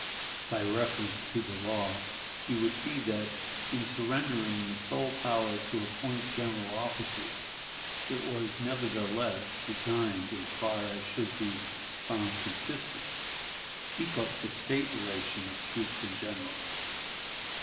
By reference to the law, you will see that, in surrendering the sole power to appoint general officers, it was nevertheless designed, as far as should be found consistent, to keep up the State relation of troops and generals.